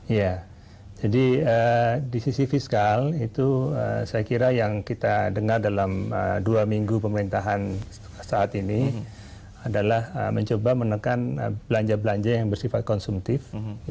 iya jadi di sisi fiskal itu saya kira yang kita dengar dalam dua minggu pemerintahan saat ini adalah mencoba menekan belanja belanja yang bersifat konsumtif